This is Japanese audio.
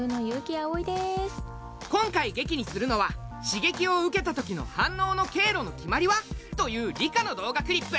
今回劇にするのは「刺激を受けたときの反応の経路の決まりは」という理科の動画クリップ。